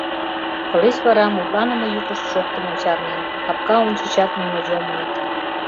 Тылеч вара мутланыме йӱкышт шоктымым чарнен, капка ончычат нуно йомыныт.